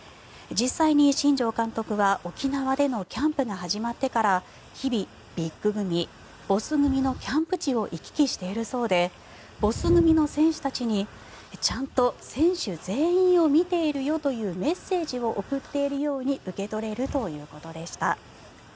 実際に新庄監督は沖縄でのキャンプが始まってから日々、ＢＩＧ組、ＢＯＳＳ組のキャンプ地を行き来しているそうでＢＯＳＳ組の選手たちにちゃんと選手全員を見ているよというメッセージを送っているように受け取れるということでした。